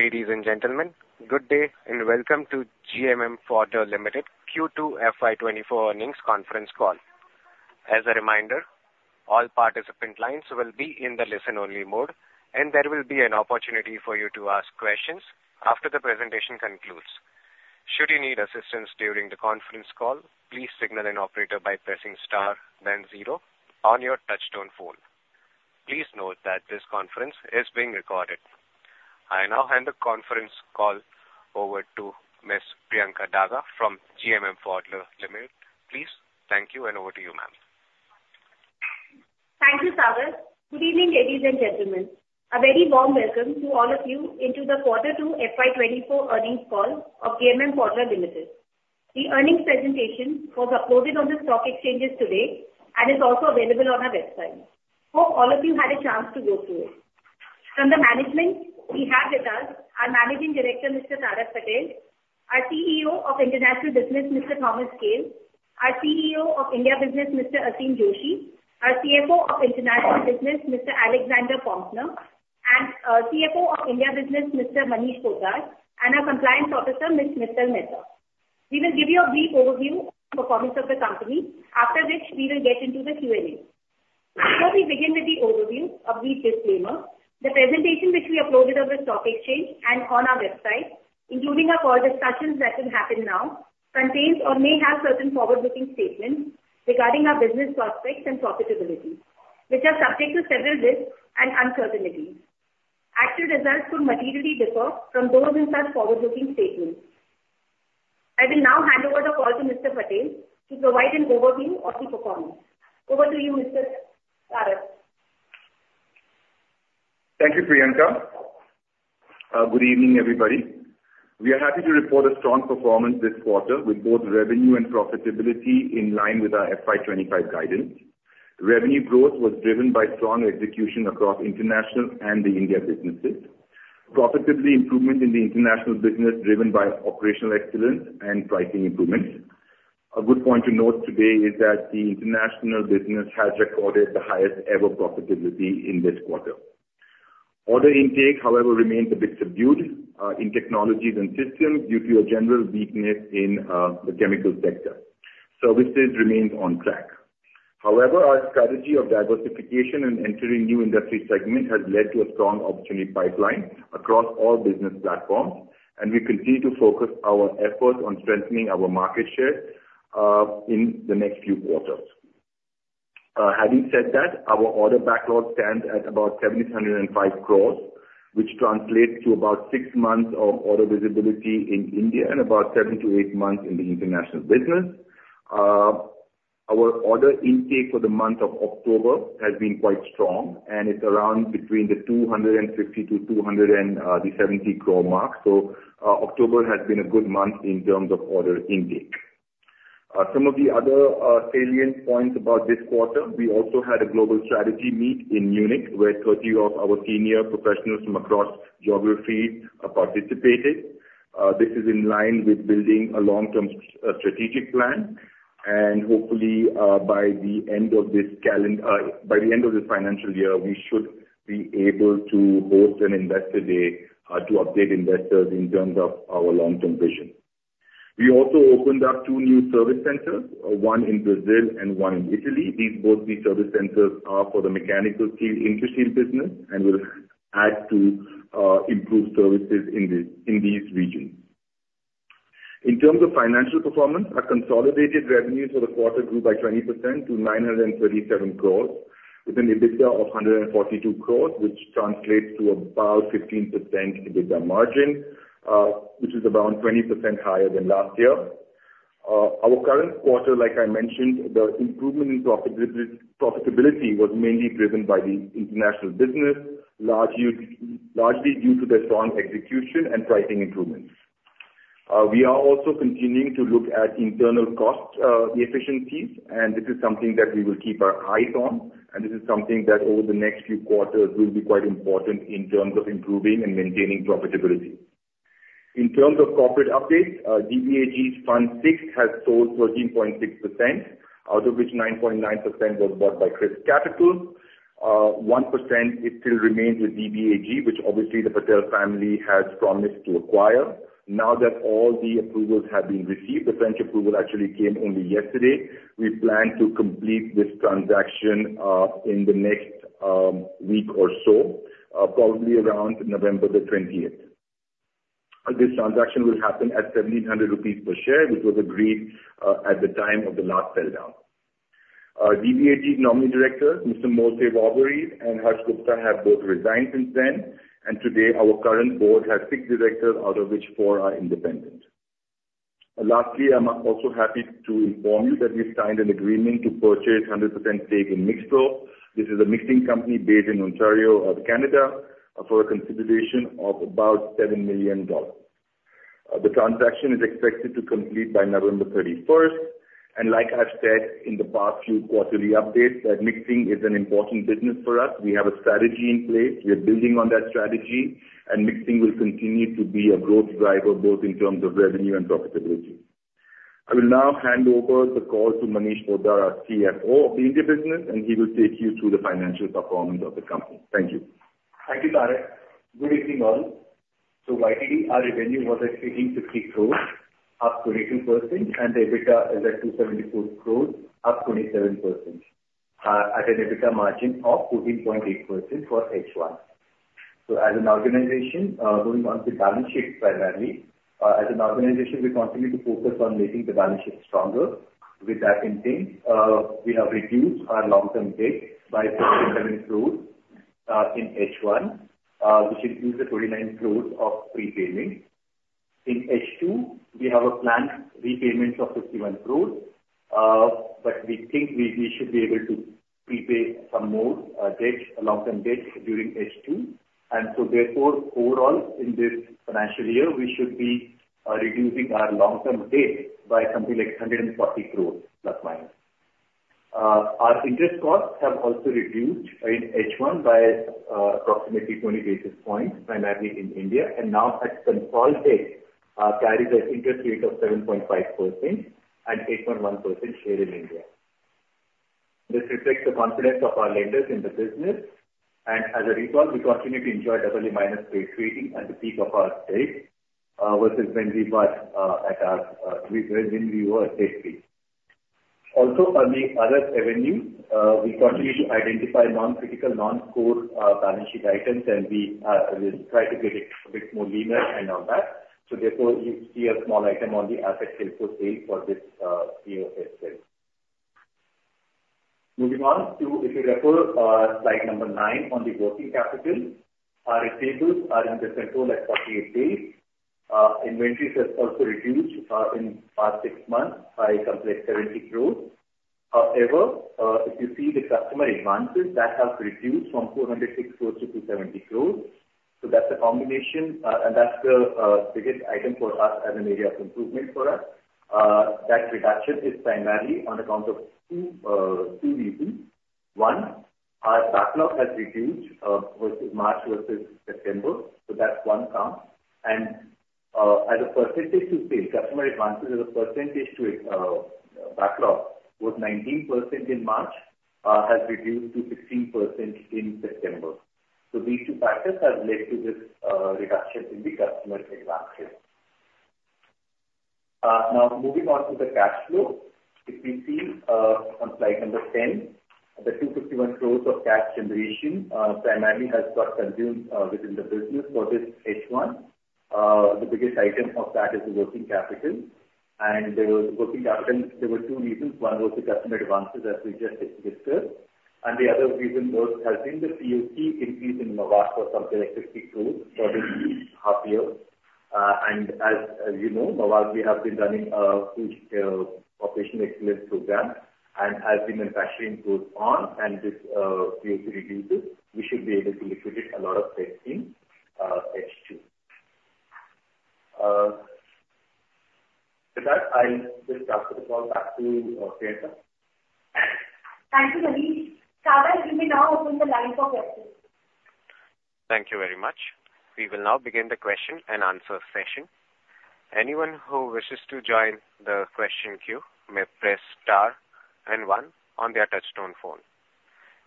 Ladies and gentlemen, good day and welcome to GMM Pfaudler Limited Q2 FY 2024 Earnings Conference Call. As a reminder, all participant lines will be in the listen-only mode, and there will be an opportunity for you to ask questions after the presentation concludes. Should you need assistance during the conference call, please signal an operator by pressing star then zero on your touch-tone phone. Please note that this conference is being recorded. I now hand the conference call over to Miss Priyanka Daga from GMM Pfaudler Limited. Please. Thank you, and over to you, ma'am. Thank you, Sagar. Good evening, ladies and gentlemen. A very warm welcome to all of you into the Quarter Two FY 2024 Earnings Call of GMM Pfaudler Limited. The earnings presentation was uploaded on the stock exchanges today and is also available on our website. Hope all of you had a chance to go through it. From the management, we have with us our Managing Director, Mr. Tarak Patel; our CEO of International Business, Mr. Thomas Kehl; our CEO of India Business, Mr. Aseem Joshi; our CFO of International Business, Mr. Alexander Poempner; and CFO of India Business, Mr. Manish Poddar; and our Compliance Officer, Ms. Mittal Mehta. We will give you a brief overview of the performance of the company, after which we will get into the Q&A. Before we begin with the overview, a brief disclaimer. The presentation, which we uploaded on the Stock Exchange and on our website, including our further discussions that will happen now, contains or may have certain forward-looking statements regarding our business prospects and profitability, which are subject to several risks and uncertainties. Actual results could materially differ from those in such forward-looking statements. I will now hand over the call to Mr. Patel to provide an overview of the performance. Over to you, Mr. Tarak. Thank you, Priyanka. Good evening, everybody. We are happy to report a strong performance this quarter with both revenue and profitability in line with our FY 2025 guidance. Revenue growth was driven by strong execution across international and the India businesses. Profitability improvement in the international business, driven by operational excellence and pricing improvements. A good point to note today is that the international business has recorded the highest ever profitability in this quarter. Order intake, however, remains a bit subdued in technologies and systems due to a general weakness in the chemical sector. Services remains on track. However, our strategy of diversification and entering new industry segment has led to a strong opportunity pipeline across all business platforms, and we continue to focus our efforts on strengthening our market share in the next few quarters. Having said that, our order backlog stands at about 705 crore, which translates to about six months of order visibility in India and about seven to eight months in the international business. Our order intake for the month of October has been quite strong, and it's around between 250 crore to 270 crore mark. So, October has been a good month in terms of order intake. Some of the other salient points about this quarter, we also had a global strategy meet in Munich, where 30 of our senior professionals from across geography participated. This is in line with building a long-term strategic plan, and hopefully, by the end of this financial year, we should be able to host an investor day, to update investors in terms of our long-term vision. We also opened up two new service centers, one in Brazil and one in Italy. Both these service centers are for the mechanical seal industry business and will add to, improved services in these regions. In terms of financial performance, our consolidated revenues for the quarter grew by 20% to 937 crore, with an EBITDA of 142 crore, which translates to about 15% EBITDA margin, which is around 20% higher than last year. Our current quarter, like I mentioned, the improvement in profitability was mainly driven by the international business, largely due to the strong execution and pricing improvements. We are also continuing to look at internal cost efficiencies, and this is something that we will keep our eyes on, and this is something that over the next few quarters will be quite important in terms of improving and maintaining profitability. In terms of corporate updates, DBAG's Fund VI has sold 13.6%, out of which 9.9% was bought by ChrysCapital. 1%, it still remains with DBAG, which obviously the Patel family has promised to acquire. Now that all the approvals have been received, the French approval actually came only yesterday. We plan to complete this transaction in the next week or so, probably around November 20th. This transaction will happen at 1,700 rupees per share, which was agreed at the time of the last sell-down. Our DBAG nominee directors, Mr. Malte Woweries and Harsh Gupta, have both resigned since then, and today our current board has six directors, out of which four are independent. Lastly, I'm also happy to inform you that we've signed an agreement to purchase 100% stake in MixPro. This is a mixing company based in Ontario, Canada, for a consideration of about $7 million. The transaction is expected to complete by November 30th, and like I've said in the past few quarterly updates, that mixing is an important business for us. We have a strategy in place. We are building on that strategy, and mixing will continue to be a growth driver, both in terms of revenue and profitability. I will now hand over the call to Manish Poddar, our CFO of the India business, and he will take you through the financial performance of the company. Thank you. Thank you, Tarak. Good evening, all. So YTD, our revenue was at 1,850 crore, up 22%, and the EBITDA is at 274 crore, up 27%, at an EBITDA margin of 14.8% for H1. So as an organization, going on to the balance sheet primarily, as an organization, we continue to focus on making the balance sheet stronger. With that in thing, we have reduced our long-term debt by 67 crore in H1, which includes the 29 crore of prepayments. In H2, we have a planned repayments of 51 crore, but we think we, we should be able to prepay some more, debts, long-term debts during H2. And so therefore, overall, in this financial year, we should be, reducing our long-term debt by something like ±140 crore. Our interest costs have also reduced in H1 by, approximately 20 basis points, primarily in India, and now at consolidated, carries an interest rate of 7.5% and 8.1% here in India. This reflects the confidence of our lenders in the business, and as a result, we continue to enjoy double A minus rate rating at the peak of our rate versus when we were at our when we were at stage three. Also, on the other revenue, we continue to identify non-critical, non-core balance sheet items, and we will try to get it a bit more leaner and on that. So therefore, you see a small item on the asset sales for sale for this year itself. Moving on to, if you refer, slide number 9 on the working capital, our receivables are under control at 48 days. Inventories have also reduced in the past 6 months by something like 70 crore. However, if you see the customer advances, that has reduced from 206 crore to 270 crore. So that's a combination, and that's the biggest item for us as an area of improvement for us. That reduction is primarily on account of two reasons. One, our backlog has reduced versus March versus September, so that's one count. And, as a percentage to sales, customer advances as a percentage to backlog, was 19% in March, has reduced to 16% in September. So these two factors have led to this reduction in the customer advances. Now moving on to the cash flow. If you see on slide number 10, the 251 crore of cash generation primarily has got consumed within the business for this H1. The biggest item of that is the working capital. And the working capital, there were two reasons. One was the customer advances, as we just discussed. And the other reason was, has been the CIP increase in MAVAG for something like 50 crore for the half year. And as you know, MAVAG, we have been running huge operation excellence program, and as the manufacturing goes on and this CIP reduces, we should be able to liquidate a lot of debt in H2. With that, I will transfer the call back to Priyanka. Thank you, Manish. Operator, you may now open the line for questions. Thank you very much. We will now begin the question-and-answer session. Anyone who wishes to join the question queue may press star and one on their touch-tone phone.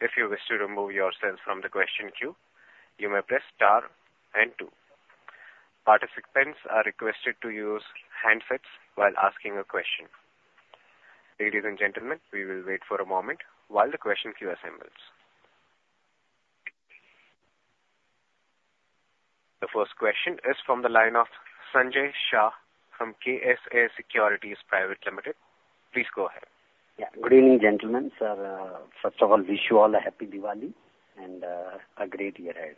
If you wish to remove yourself from the question queue, you may press star and two. Participants are requested to use handsets while asking a question. Ladies and gentlemen, we will wait for a moment while the question queue assembles. The first question is from the line of Sanjay Shah from KSA Securities Private Limited. Please go ahead. Yeah, good evening, gentlemen. So, first of all, wish you all a happy Diwali and a great year ahead.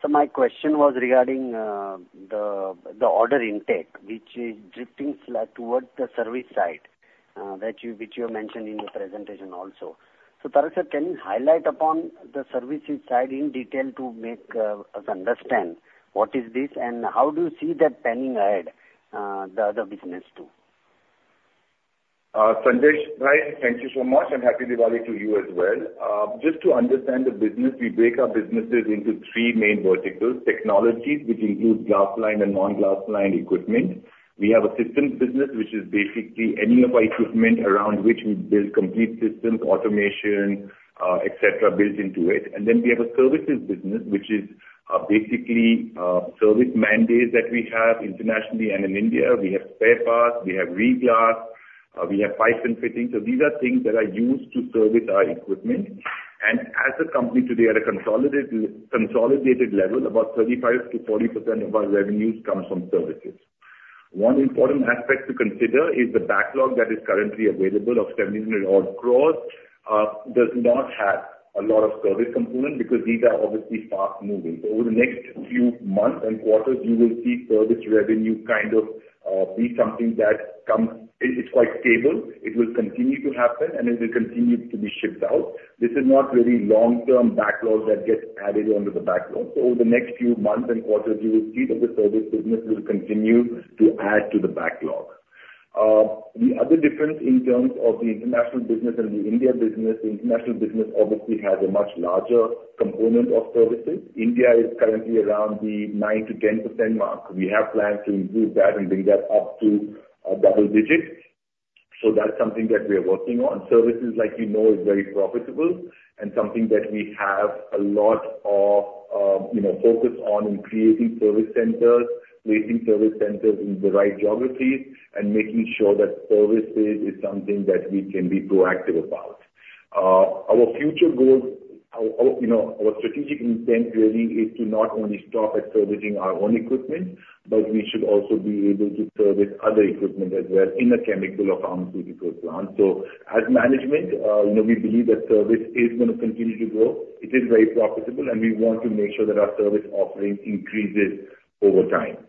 So my question was regarding the order intake, which is drifting slightly towards the services side, that you which you have mentioned in your presentation also. So Tarak sir, can you highlight upon the services side in detail to make us understand what is this, and how do you see that panning ahead, the business too? Sanjay, right, thank you so much, and happy Diwali to you as well. Just to understand the business, we break our businesses into three main verticals: technologies, which include glass-lined and non-glass-lined equipment. We have a systems business, which is basically any of our equipment around which we build complete systems, automation, et cetera, built into it. And then we have a services business, which is, basically, service mandates that we have internationally and in India. We have spare parts, we have reglass, we have pipes and fittings. So these are things that are used to service our equipment. And as a company today, at a consolidated, consolidated level, about 35%-40% of our revenues comes from services. One important aspect to consider is the backlog that is currently available of 70 million-odd crore does not have a lot of service component, because these are obviously fast moving. So over the next few months and quarters, you will see service revenue kind of be something that comes, it's quite stable. It will continue to happen, and it will continue to be shipped out. This is not really long-term backlog that gets added onto the backlog. So over the next few months and quarters, you will see that the service business will continue to add to the backlog. The other difference in terms of the international business and the India business, the international business obviously has a much larger component of services. India is currently around the 9%-10% mark. We have plans to improve that and bring that up to double digits. So that's something that we are working on. Services, like you know, is very profitable and something that we have a lot of, you know, focus on in creating service centers, placing service centers in the right geographies, and making sure that services is something that we can be proactive about. Our future goals, our you know, our strategic intent really is to not only stop at servicing our own equipment, but we should also be able to service other equipment as well in the chemical or pharmaceutical plant. So as management, you know, we believe that service is gonna continue to grow. It is very profitable, and we want to make sure that our service offering increases over time.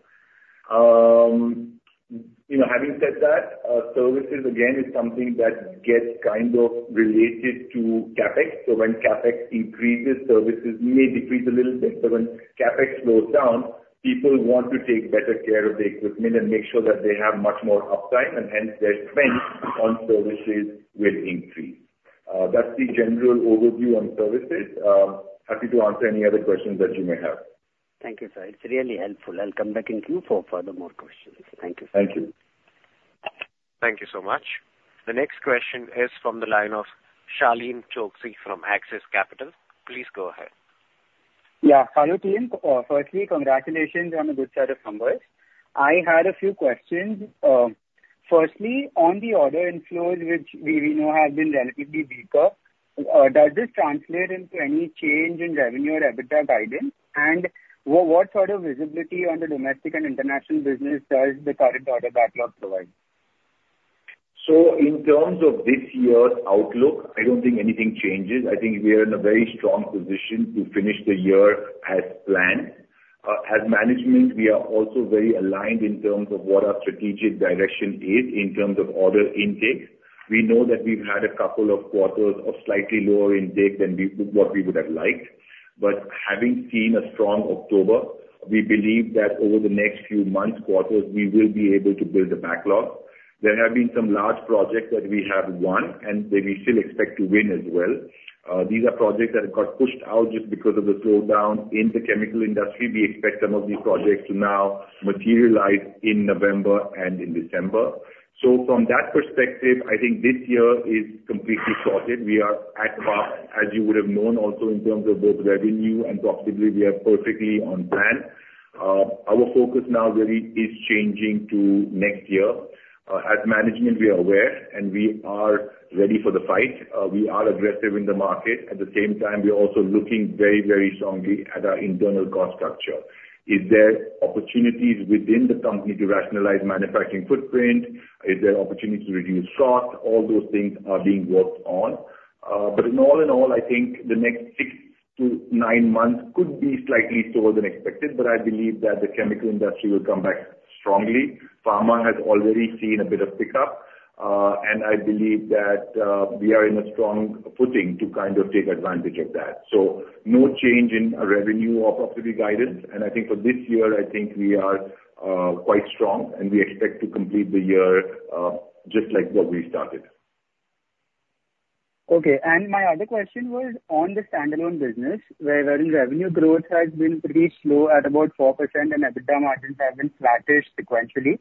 You know, having said that, services again is something that gets kind of related to CapEx. So when CapEx increases, services may decrease a little bit, but when CapEx slows down, people want to take better care of the equipment and make sure that they have much more uptime, and hence their spend on services will increase. That's the general overview on services. Happy to answer any other questions that you may have. Thank you, sir. It's really helpful. I'll come back to you for further more questions. Thank you, sir. Thank you. Thank you so much. The next question is from the line of Shalin Choksy from Axis Capital. Please go ahead. Yeah. Hello, team. Firstly, congratulations on the good set of numbers. I had a few questions. Firstly, on the order inflows, which we, we know have been relatively weaker, does this translate into any change in revenue or EBITDA guidance? And what sort of visibility on the domestic and international business does the current order backlog provide? In terms of this year's outlook, I don't think anything changes. I think we are in a very strong position to finish the year as planned. As management, we are also very aligned in terms of what our strategic direction is in terms of order intakes. We know that we've had a couple of quarters of slightly lower intake than what we would have liked, but having seen a strong October, we believe that over the next few months, quarters, we will be able to build a backlog. There have been some large projects that we have won and that we still expect to win as well. These are projects that got pushed out just because of the slowdown in the chemical industry. We expect some of these projects to now materialize in November and in December. So from that perspective, I think this year is completely sorted. We are at par, as you would have known, also in terms of both revenue and profitability, we are perfectly on plan. Our focus now really is changing to next year. As management, we are aware, and we are ready for the fight. We are aggressive in the market. At the same time, we are also looking very, very strongly at our internal cost structure. Is there opportunities within the company to rationalize manufacturing footprint? Is there opportunity to reduce cost? All those things are being worked on. But all in all, I think the next six to nine months could be slightly slower than expected, but I believe that the chemical industry will come back strongly. Pharma has already seen a bit of pickup, and I believe that we are in a strong footing to kind of take advantage of that. No change in our revenue or profitability guidance, and I think for this year, I think we are quite strong, and we expect to complete the year just like what we started. Okay. My other question was on the standalone business, where your revenue growth has been pretty slow at about 4%, and EBITDA margins have been flattish sequentially.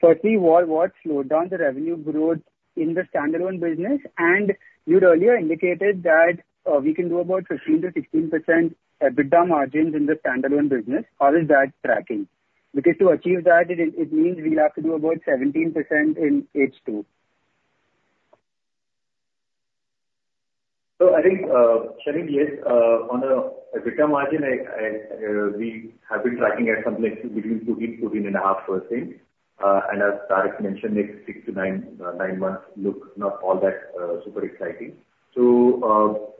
Firstly, what slowed down the revenue growth in the standalone business? And you'd earlier indicated that we can do about 15%-16% EBITDA margins in the standalone business. How is that tracking? Because to achieve that, it means we'll have to do about 17% in H2. So I think, Shalin, yes, on the EBITDA margin, we have been tracking at something between 12%-12.5%. And as Tarak mentioned, next 6-9 months look not all that super exciting. So,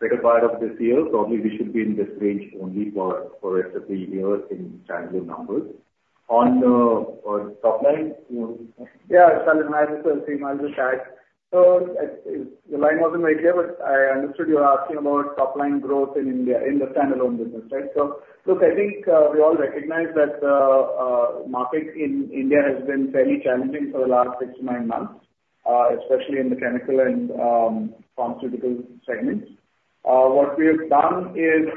better part of this year, probably we should be in this range only for, for rest of the year in standalone numbers. On top line, you know- Yeah, Shalin, hi, this is Tarak. So, the line wasn't very clear, but I understood you were asking about top-line growth in India, in the standalone business, right? So look, I think, we all recognize that, market in India has been fairly challenging for the last 6, 9 months, especially in the chemical and, pharmaceutical segments. What we have done is,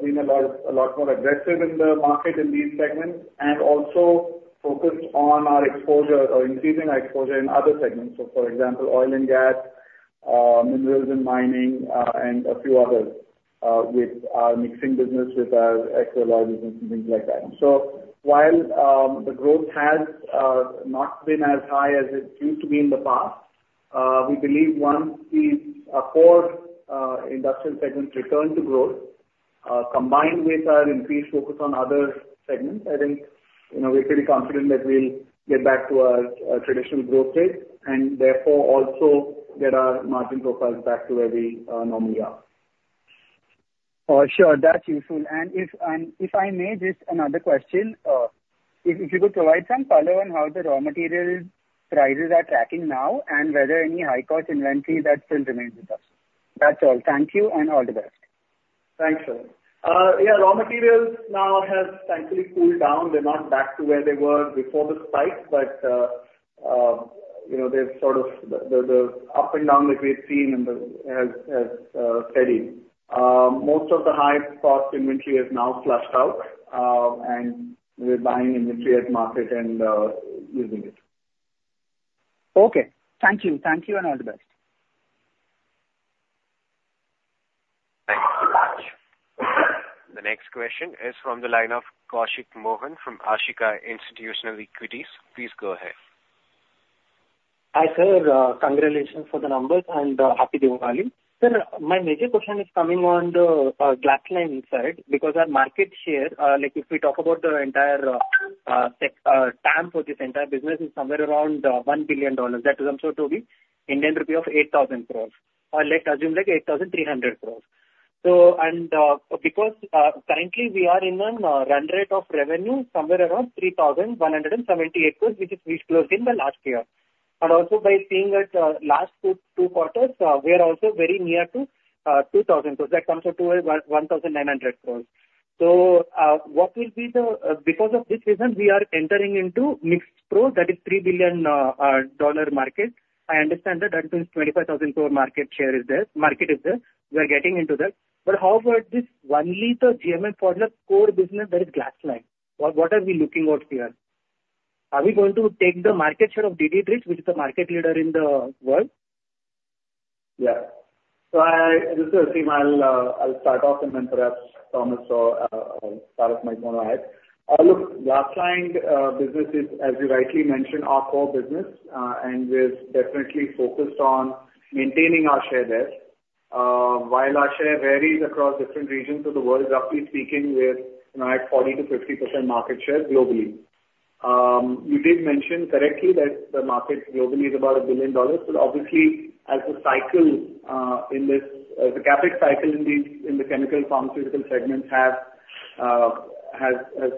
been a lot, a lot more aggressive in the market in these segments, and also focused on our exposure or increasing our exposure in other segments. So for example, oil and gas, minerals and mining, and a few others, with our mixing business, with our Equilloy alloy and things like that. So while the growth has not been as high as it used to be in the past, we believe once the core industrial segments return to growth, combined with our increased focus on other segments, I think, you know, we're pretty confident that we'll get back to our traditional growth rate, and therefore also get our margin profiles back to where we normally are. Sure. That's useful. And if I may, just another question. If you could provide some color on how the raw materials' prices are tracking now, and whether any high-cost inventory that still remains with us. That's all. Thank you, and all the best. Thanks, Shalin. Yeah, raw materials now have thankfully cooled down. They're not back to where they were before the spike, but, you know, they're sort of, the up-and-down that we had seen in the past has steadied. Most of the high-cost inventory is now flushed out, and we're buying inventory at market and using it. Okay. Thank you. Thank you, and all the best. Thank you very much. The next question is from the line of Koushik Mohan from Ashika Institutional Equities. Please go ahead. Hi, sir, congratulations for the numbers, and happy Diwali. Sir, my major question is coming on the glass-lined side, because our market share, like if we talk about the entire TAM for this entire business, is somewhere around $1 billion. That comes out to be 8,000 crore Indian rupee, or let's assume like 8,300 crore. Because currently we are in a run rate of revenue somewhere around 3,178 crore, which is which we closed in the last year. And also by seeing it, last two quarters, we are also very near to 2,000 crore. That comes up to 1,900 crore. So, what will be the, because of this reason we are entering into MixPro, that is $3 billion market. I understand that, that means 25,000 crore market share is there, market is there. We are getting into that. But how about this one liter GMM Pfaudler core business that is glass-lined, what, what are we looking out here? Are we going to take the market share of De Dietrich, which is the market leader in the world? Yeah. So this is Aseem, I'll start off and then perhaps Thomas or Tarak might want to add. Look, glass-lined business is, as you rightly mentioned, our core business, and we're definitely focused on maintaining our share there. While our share varies across different regions of the world, roughly speaking, we're, you know, at 40%-50% market share globally. You did mention correctly that the market globally is about $1 billion, but obviously as the cycle, in this, the CapEx cycle in the chemical pharmaceutical segment has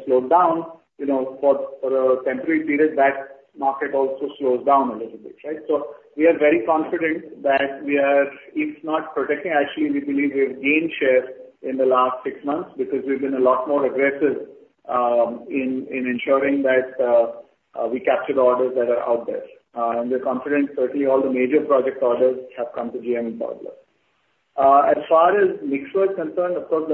slowed down, you know, for a temporary period, that market also slows down a little bit, right? So we are very confident that we are, if not protecting, actually we believe we have gained share in the last 6 months, because we've been a lot more aggressive in ensuring that we capture the orders that are out there. And we're confident certainly all the major project orders have come to GMM Pfaudler. As far as MixPro is concerned, of course,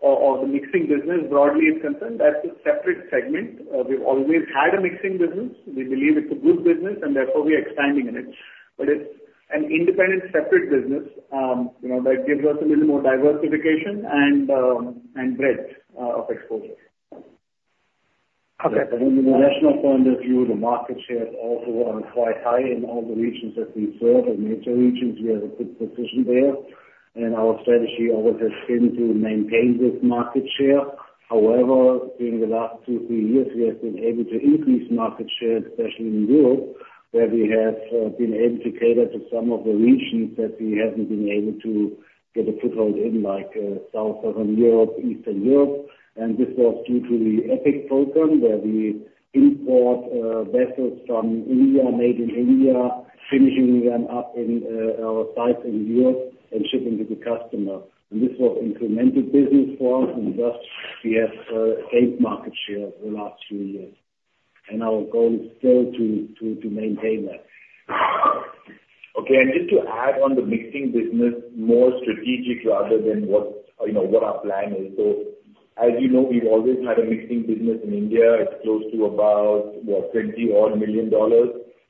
or the mixing business broadly is concerned, that's a separate segment. We've always had a mixing business. We believe it's a good business and therefore we are expanding in it. But it's an independent, separate business, you know, that gives us a little more diversification and breadth of exposure. Okay. From the international point of view, the market share also are quite high in all the regions that we serve. In major regions, we have a good position there, and our strategy always has been to maintain this market share. However, during the last 2-3 years, we have been able to increase market share, especially in Europe, where we have been able to cater to some of the regions that we haven't been able to get a foothold in, like, southwestern Europe, eastern Europe. And this was due to the EPIC program, where we import vessels from India, made in India, finishing them up in our site in Europe and shipping to the customer. And this was incremental business for us, and thus we have gained market share over the last few years. And our goal is still to maintain that. Okay, and just to add on the mixing business, more strategic rather than what, you know, what our plan is. So, as you know, we've always had a mixing business in India. It's close to about $20 million.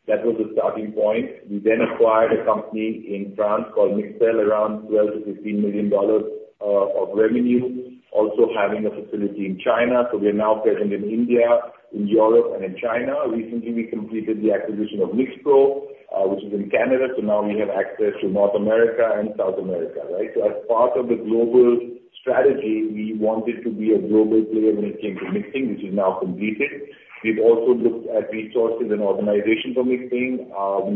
That was the starting point. We then acquired a company in France called Mixel, around $12 million-$15 million of revenue, also having a facility in China. So we are now present in India, in Europe, and in China. Recently, we completed the acquisition of MixPro, which is in Canada. So now we have access to North America and South America, right? So as part of the global strategy, we wanted to be a global player when it came to mixing, which is now completed. We've also looked at resources and organization for mixing.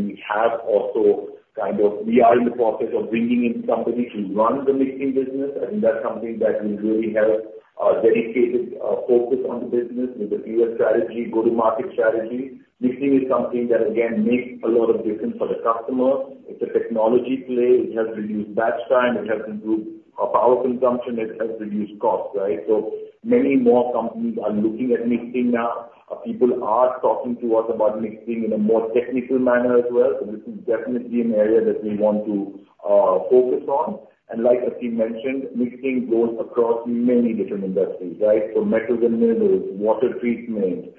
We have also kind of, we are in the process of bringing in somebody to run the mixing business. I think that's something that will really help, dedicated focus on the business with a clear strategy, go-to-market strategy. Mixing is something that, again, makes a lot of difference for the customer. It's a technology play. It helps reduce batch time, it helps improve power consumption, it helps reduce cost, right? So many more companies are looking at mixing now. People are talking to us about mixing in a more technical manner as well. So this is definitely an area that we want to focus on. And like Aseem mentioned, mixing goes across many different industries, right? So metals and minerals, water treatment,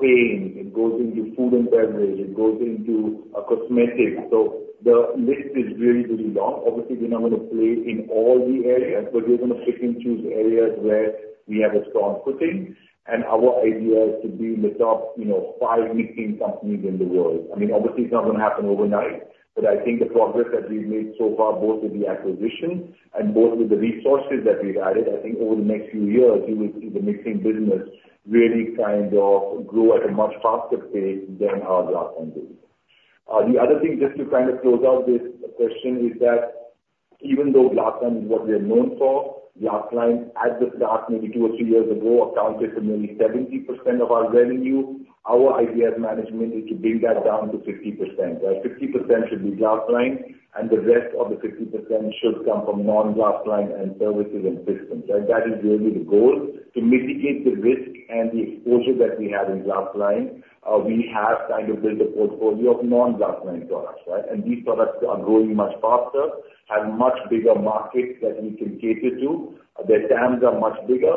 paint, it goes into food and beverage, it goes into cosmetics. So the list is really, really long. Obviously, we're not going to play in all the areas, but we're going to pick and choose areas where we have a strong footing, and our idea is to be in the top, you know, five mixing companies in the world. I mean, obviously, it's not going to happen overnight, but I think the progress that we've made so far, both with the acquisition and both with the resources that we've added, I think over the next few years, you will see the mixing business really kind of grow at a much faster pace than our glass-lined business. The other thing, just to kind of close out this question, is that even though glass-lined is what we are known for, glass-lined, as we started maybe two or three years ago, accounted for nearly 70% of our revenue. Our idea as management is to bring that down to 50%, right? 50% should be glass-lined, and the rest of the 50% should come from non-glass-lined and services and systems, right? That is really the goal. To mitigate the risk and the exposure that we have in glass-lined, we have kind of built a portfolio of non-glass-lined products, right? And these products are growing much faster, have much bigger markets that we can cater to. Their TAMs are much bigger,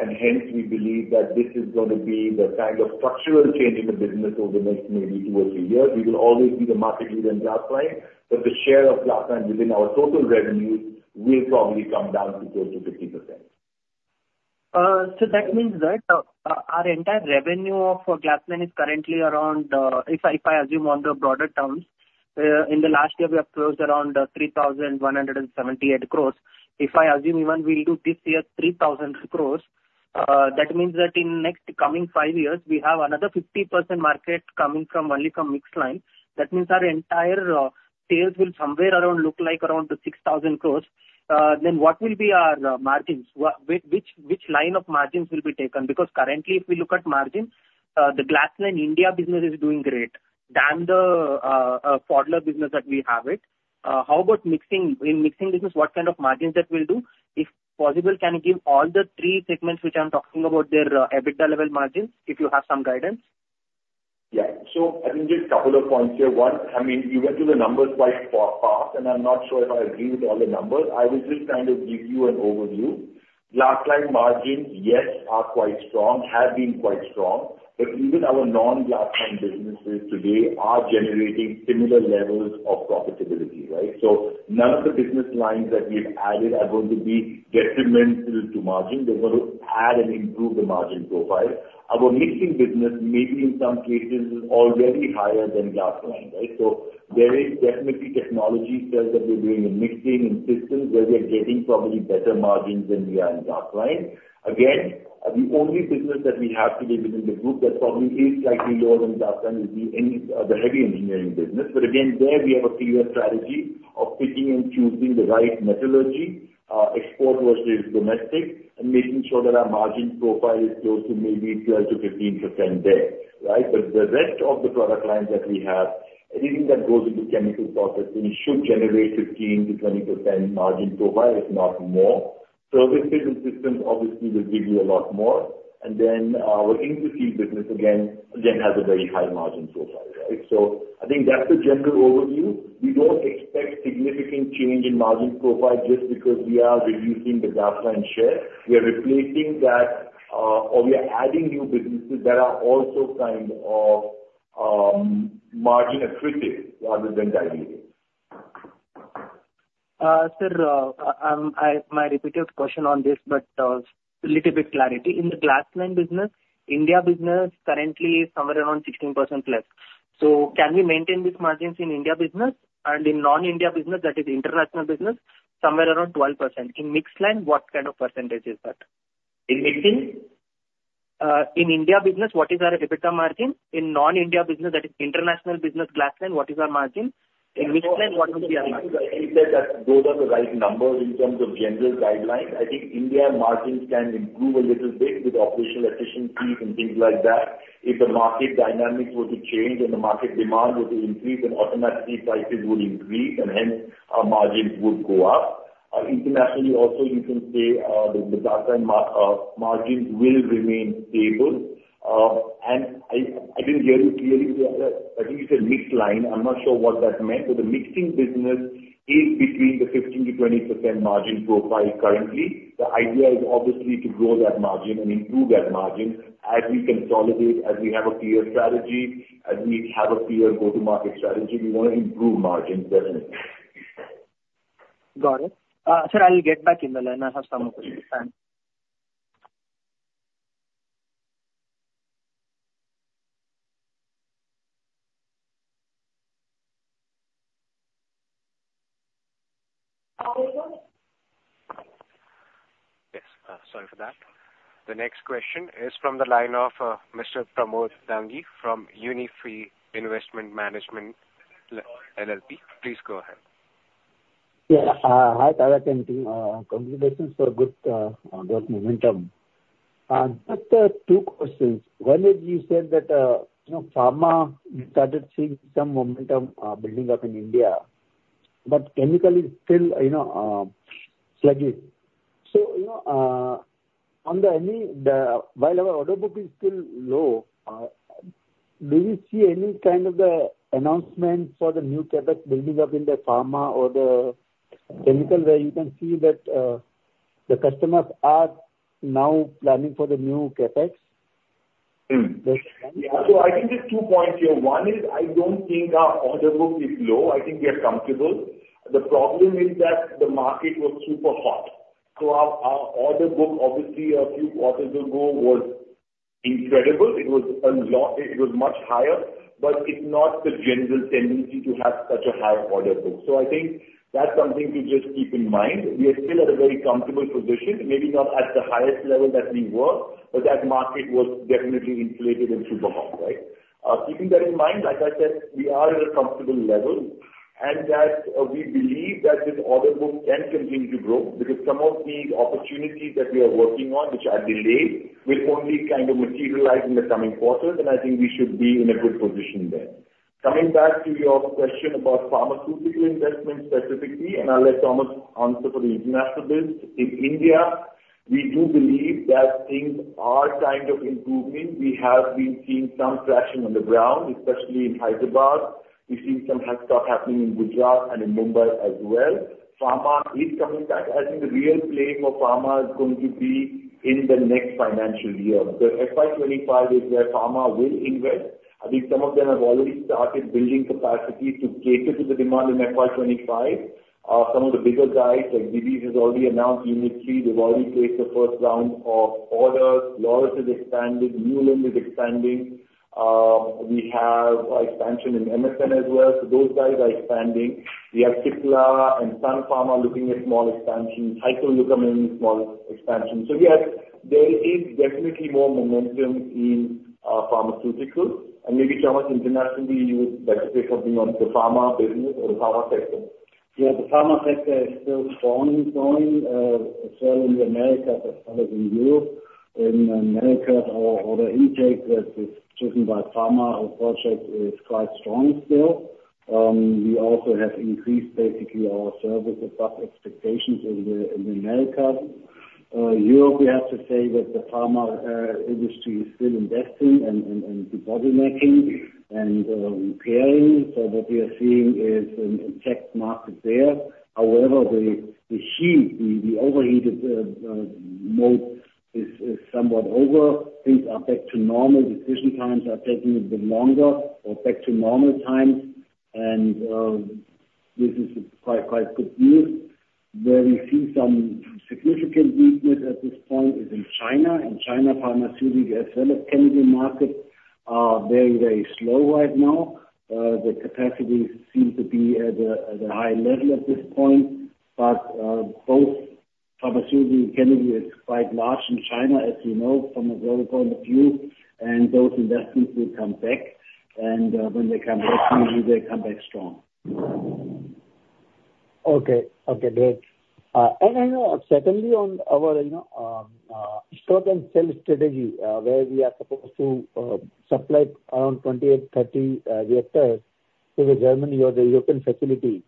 and hence we believe that this is going to be the kind of structural change in the business over the next maybe two or three years. We will always be the market leader in glass-lined, but the share of glass-lined within our total revenue will probably come down to close to 50%. So that means that our entire revenue of glass-lined is currently around, if I assume on the broader terms, in the last year, we have closed around 3,178 crore. If I assume even we'll do this year 3,000 crore, that means that in next coming five years, we have another 50% market coming from only from mixing line. That means our entire sales will somewhere around look like around the 6,000 crore. Then what will be our margins? Which line of margins will be taken? Because currently, if we look at margins, the glass-lined India business is doing greater than the Pfaudler business that we have it. How about mixing? In mixing business, what kind of margins that will do? If possible, can you give all the three segments which I'm talking about, their, EBITDA level margins, if you have some guidance? Yeah. So I think just a couple of points here. One, I mean, you went through the numbers quite fast, and I'm not sure if I agree with all the numbers. I will just kind of give you an overview. Glass-lined margins, yes, are quite strong, have been quite strong, but even our non-glass-lined businesses today are generating similar levels of profitability, right? So none of the business lines that we've added are going to be detrimental to margin. They're going to add and improve the margin profile. Our mixing business, maybe in some cases, is already higher than glass-lined, right? So there is definitely technology sales that we're doing in mixing and systems, where we are getting probably better margins than we are in glass-lined. Again, the only business that we have today within the group that probably is slightly lower than glass-lined would be in the heavy engineering business. But again, there we have a clear strategy of picking and choosing the right methodology, export versus domestic, and making sure that our margin profile is close to maybe 12%-15% there, right? But the rest of the product lines that we have, anything that goes into chemical processing should generate 15%-20% margin profile, if not more. Service and systems obviously will give you a lot more. And then our Interseal business again, again, has a very high margin profile, right? So I think that's the general overview. We don't expect significant change in margin profile just because we are reducing the glass-lined share. We are replacing that, or we are adding new businesses that are also kind of, margin accretive rather than dilutive. My repeated question on this, but a little bit clarity. In the glass-lined business, India business currently is somewhere around 16% plus. So can we maintain these margins in India business? And in non-India business, that is international business, somewhere around 12%. In mixing line, what kind of percentage is that? In mixing? In India business, what is our EBITDA margin? In non-India business, that is international business Glassline, what is our margin? In mixing line, what will be our margin? I think that goes with the right numbers in terms of general guidelines. I think India margins can improve a little bit with operational efficiencies and things like that. If the market dynamics were to change and the market demand were to increase, then automatically prices would increase and hence our margins would go up. Internationally also, you can say, the EBITDA and margins will remain stable. And I didn't hear you clearly, so I think you said Mixel. I'm not sure what that meant, but the mixing business is between the 15%-20% margin profile currently. The idea is obviously to grow that margin and improve that margin as we consolidate, as we have a clear strategy, as we have a clear go-to-market strategy, we want to improve margins there. Got it. Sir, I will get back in the line. I have some other questions. Thanks. Yes, sorry for that. The next question is from the line of Mr. Pramod Dangi from Unifi Investment Management, LLP. Please go ahead. Yeah. Hi, Tarak and team. Congratulations for good momentum. Just two questions. One is, you said that, you know, pharma started seeing some momentum building up in India, but chemical is still, you know, sluggish. So, you know, while our order book is still low, do we see any kind of the announcement for the new CapEx building up in the pharma or the chemical, where you can see that, the customers are now planning for the new CapEx? Hmm. Yes. Yeah. So I think there's two points here. One is, I don't think our order book is low. I think we are comfortable. The problem is that the market was super hot, so our, our order book, obviously, a few quarters ago, was incredible. It was a lot. It was much higher, but it's not the general tendency to have such a high order book. So I think that's something to just keep in mind. We are still at a very comfortable position, maybe not at the highest level that we were, but that market was definitely inflated and super hot, right? Keeping that in mind, like I said, we are at a comfortable level, and that, we believe that this order book can continue to grow because some of these opportunities that we are working on, which are delayed, will only kind of materialize in the coming quarters, and I think we should be in a good position there. Coming back to your question about pharmaceutical investments specifically, and I'll let Thomas answer for the international business. In India, we do believe that things are kind of improving. We have been seeing some traction on the ground, especially in Hyderabad. We've seen some head start happening in Gujarat and in Mumbai as well. Pharma is coming back. I think the real play for pharma is going to be in the next financial year. So FY 2025 is where pharma will invest. I think some of them have already started building capacity to cater to the demand in FY 2025. Some of the bigger guys, like Divi's, has already announced Unit 3. They've already placed the first round of orders. Laurus has expanded, Neuland is expanding. We have expansion in MSN as well. So those guys are expanding. We have Cipla and Sun Pharma looking at small expansion. small expansion. So yes, there is definitely more momentum in pharmaceuticals, and maybe, Thomas, internationally, you would like to say something on the pharma business or the pharma sector? Yeah, the pharma sector is still strong and growing as well in America as well as in Europe. In America, our intake that is driven by pharma, our project is quite strong still. We also have increased basically our services above expectations in America. Europe, we have to say that the pharma industry is still investing and body making and repairing. So what we are seeing is an intake market there. However, the heat, the overheated mode is somewhat over. Things are back to normal. Decision times are taking a bit longer or back to normal times, and this is quite good news. Where we see some significant weakness at this point is in China. In China, pharmaceutical as well as chemical markets are very, very slow right now. The capacity seems to be at a high level at this point, but both pharmaceutical and chemical is quite large in China, as you know, from a volume point of view, and those investments will come back, and when they come back, usually they come back strong. Okay. Okay, great. And then, secondly, on our, you know, Stock and Sale strategy, where we are supposed to supply around 28-30 reactors to Germany or the European facility,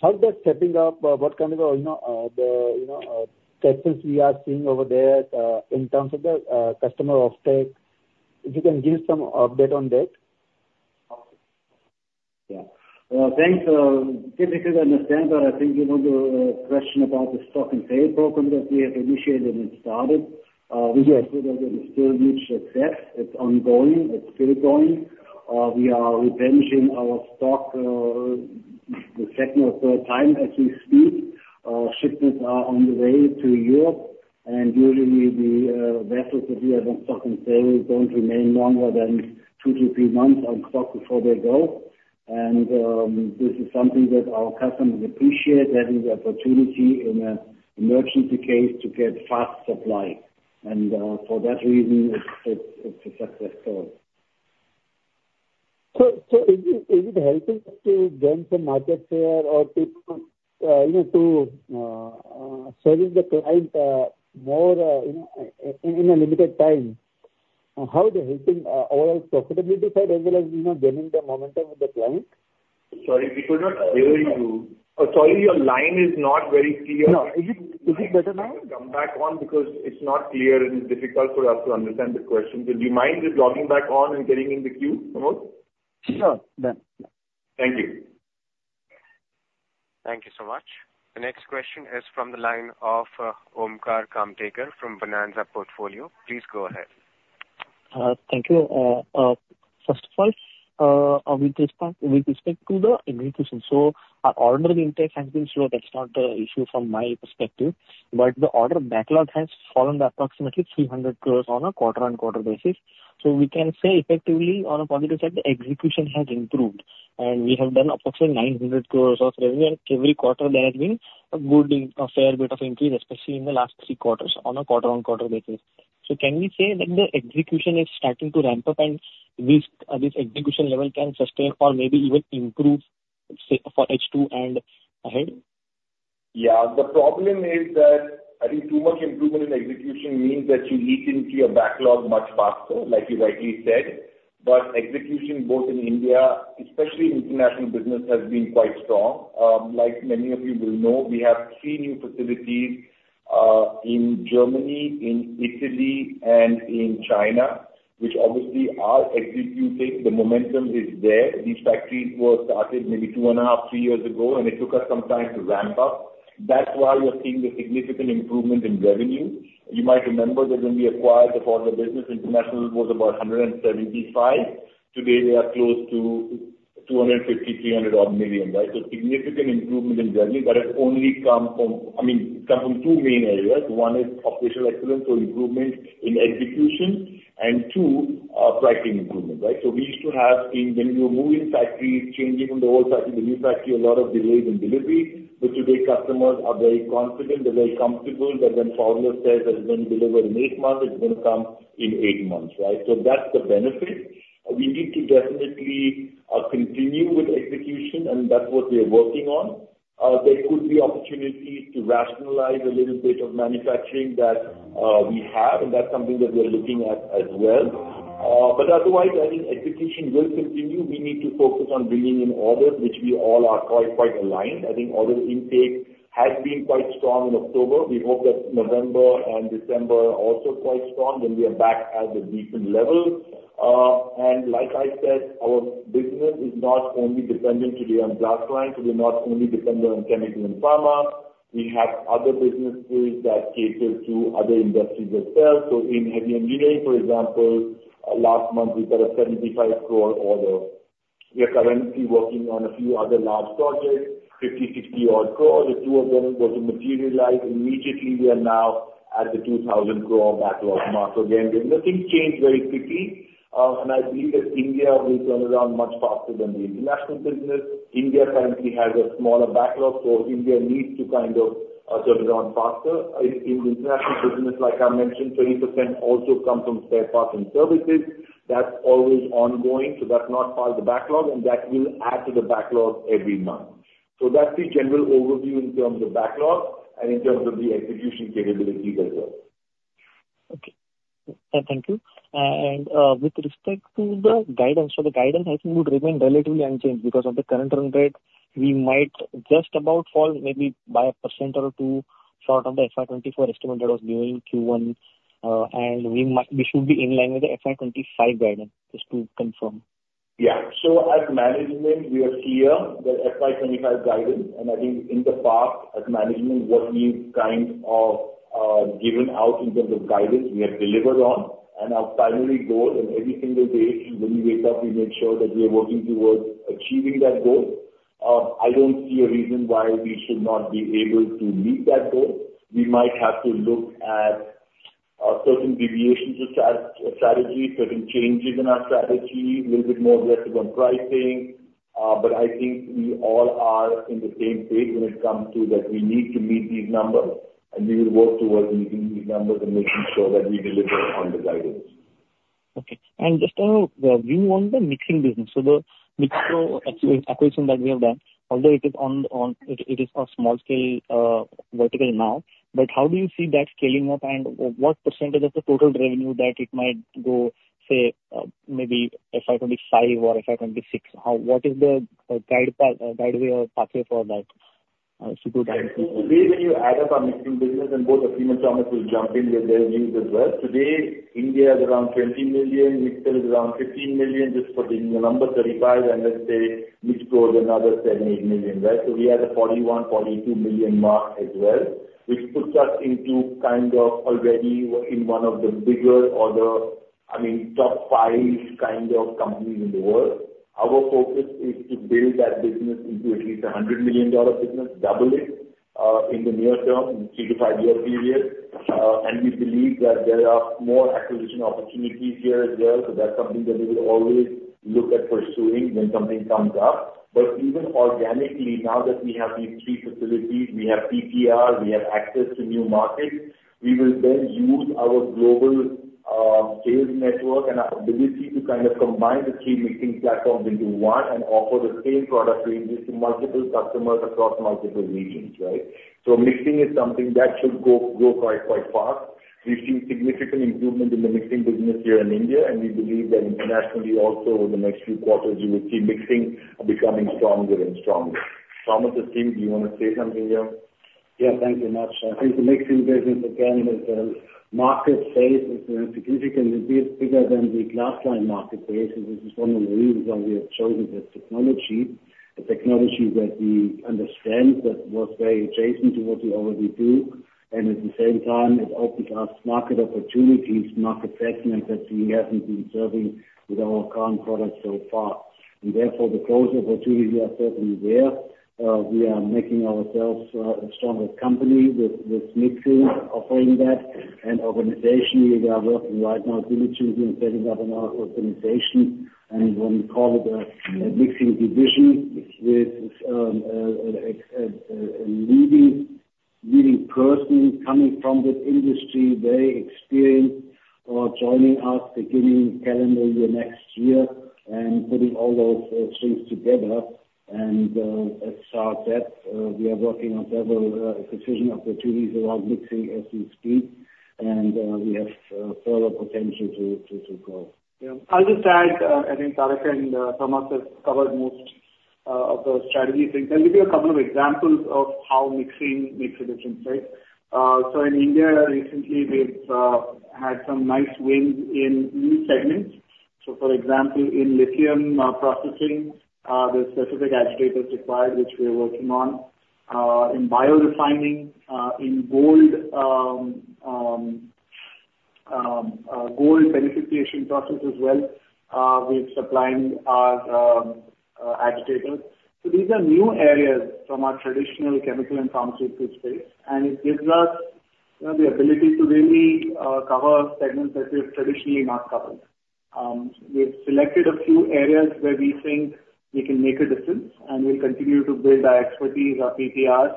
how's that stepping up? What kind of, you know, the, you know, we are seeing over there, in terms of the customer offtake? If you can give some update on that. Yeah. Thanks. Difficult to understand, but I think, you know, the question about the Stock and Sale Program that we have initiated and started. Yeah. We have still much success. It's ongoing. It's still going. We are replenishing our stock, the second or third time as we speak. Shipments are on the way to Europe, and usually the vessels that we have on stock and sale don't remain longer than 2-3 months on stock before they go. And, this is something that our customers appreciate, having the opportunity in an emergency case to get fast supply, and for that reason, it's a success story. Is it helping to gain some market share or to, you know, service the client more in a limited time? How is it helping our profitability side as well as, you know, gaining the momentum with the client? Sorry, we could not hear you. Sorry, your line is not very clear. No. Is it, is it better now? Come back on, because it's not clear, and it's difficult for us to understand the question. Would you mind just logging back on and getting in the queue, Pramod? Sure, done. Thank you. Thank you so much. The next question is from the line of Omkar Kamtekar from Bonanza Portfolio. Please go ahead. Thank you. First of all, with respect to the execution, our order intake has been slow. That's not an issue from my perspective, but the order backlog has fallen to approximately 300 crore on a quarter-on-quarter basis. We can say effectively, on a positive side, the execution has improved, and we have done approximately 900 crore of revenue. Every quarter there has been a good, a fair bit of increase, especially in the last 3 quarters, on a quarter-on-quarter basis. Can we say that the execution is starting to ramp up, and this execution level can sustain or maybe even improve, say, for H2 and ahead? Yeah, the problem is that I think too much improvement in execution means that you eat into your backlog much faster, like you rightly said, but execution both in India, especially international business, has been quite strong. Like many of you will know, we have 3 new facilities in Germany, in Italy, and in China, which obviously are executing. The momentum is there. These factories were started maybe 2.5-3 years ago, and it took us some time to ramp up. That's why you're seeing the significant improvement in revenue. You might remember that when we acquired the former business, international was about $175 million. Today, we are close to $250 million-$300 million, right? So significant improvement in revenue, but it's only come from, I mean, come from two main areas. One is operational excellence, so improvement in execution, and two, pricing improvement, right? So we used to have, when we were moving factories, changing from the old factory to new factory, a lot of delays in delivery, but today, customers are very confident. They're very comfortable that when we say it will deliver in eight months, it's gonna come in eight months, right? So that's the benefit. We need to definitely continue with execution, and that's what we are working on. There could be opportunities to rationalize a little bit of manufacturing that we have, and that's something that we are looking at as well. But otherwise, I think execution will continue. We need to focus on bringing in orders, which we all are quite, quite aligned. I think order intake has been quite strong in October. We hope that November and December are also quite strong, then we are back at the decent level. And like I said, our business is not only dependent today on glass line, so we're not only dependent on chemical and pharma. We have other businesses that cater to other industries as well. So in heavy engineering, for example, last month, we got an 75 crore order. We are currently working on a few other large projects, 50 crore-60 crore. The two of them were to materialize immediately. We are now at the 2,000 crore backlog mark. So again, the things change very quickly. And I believe that India will turn around much faster than the international business. India currently has a smaller backlog, so India needs to kind of turn around faster. In the international business, like I mentioned, 20% also come from spare parts and services. That's always ongoing, so that's not part of the backlog, and that will add to the backlog every month. So that's the general overview in terms of backlog and in terms of the execution capabilities as well. Okay. Thank you. With respect to the guidance, so the guidance I think would remain relatively unchanged because of the current run rate. We might just about fall maybe by 1% or 2% short of the FY 2024 estimate that was given Q1, and we should be in line with the FY 2025 guidance, just to confirm. Yeah. So as management, we are clear the FY 2025 guidance, and I think in the past, as management, what we've kind of given out in terms of guidance, we have delivered on. And our primary goal in every single day when we wake up, we make sure that we are working towards achieving that goal. I don't see a reason why we should not be able to meet that goal. We might have to look at certain deviations to strategy, certain changes in our strategy, little bit more aggressive on pricing, but I think we all are on the same page when it comes to that we need to meet these numbers, and we will work towards meeting these numbers and making sure that we deliver on the guidance. Okay. And just, view on the mixing business. So the acquisition that we have done, although it is on a small scale vertical now, but how do you see that scaling up, and what percentage of the total revenue that it might go, say, maybe FY 2025 or FY 2026? How, what is the guidance or pathway for that? When you add up our mixing business, and both, and Thomas, will jump in with their views as well. Today, India is around $20 million, it is around $15 million, just for the numbers, and let's say, Mixel another $7 million-$8 million, right? So we are at the $41 million-$42 million mark as well, which puts us into kind of already in one of the bigger or the, I mean, top five kind of companies in the world. Our focus is to build that business into at least a $100 million business, double it, in the near term, in 3-5-year period. And we believe that there are more acquisition opportunities here as well, so that's something that we will always look at pursuing when something comes up. But even organically, now that we have these three facilities, we have PTR, we have access to new markets, we will then use our global sales network and our ability to kind of combine the three mixing platforms into one and offer the same product ranges to multiple customers across multiple regions, right? So mixing is something that should go, grow quite, quite fast. We've seen significant improvement in the mixing business here in India, and we believe that internationally also, over the next few quarters, you will see mixing becoming stronger and stronger. Thomas and team, do you want to say something here? Yeah, thank you very much. I think the mixing business again is a market space significantly bigger than the glass-lined market base, and this is one of the reasons why we have chosen this technology. The technology that we understand, that was very adjacent to what we already do, and at the same time, it opens us market opportunities, market segments that we haven't been serving with our current products so far. And therefore, the growth opportunity are certainly there. We are making ourselves a stronger company with mixing offering that, and organizationally, we are working right now diligently in setting up our organization, and we call it a mixing division with a leading person coming from that industry. Very experienced, joining us beginning calendar year next year, and putting all those things together. As such that, we are working on several acquisition opportunities around mixing as we speak, and we have further potential to grow. Yeah. I'll just add, I think Tarak and Thomas have covered most of the strategy things. I'll give you a couple of examples of how mixing makes a difference, right? So in India recently, we've had some nice wins in new segments. So, for example, in lithium processing, there's specific agitators required, which we are working on. In biorefining, in gold beneficiation process as well, we're supplying our agitator. So these are new areas from our traditional chemical and pharmaceutical space, and it gives us the ability to really cover segments that we've traditionally not covered. We've selected a few areas where we think we can make a difference, and we'll continue to build our expertise, our PTRs,